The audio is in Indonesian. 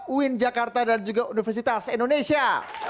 uin jakarta dan juga universitas indonesia